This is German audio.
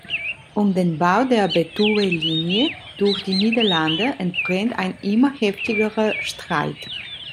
Um den Bau der Betuwe-Linie durch die Niederlande entbrennt ein immer heftigerer Streit.